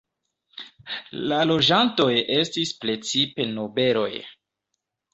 La loĝantoj estis precipe nobeloj.